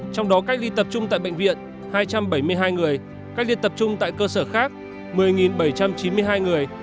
trong đó cách ly tập trung tại bệnh viện hai trăm bảy mươi hai người cách ly tập trung tại cơ sở khác một mươi bảy trăm chín mươi hai người